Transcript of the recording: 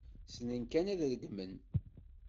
Ssnen kan ad regmen.